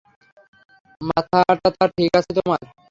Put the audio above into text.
মাথাটাথা ঠিক আছে তোমার?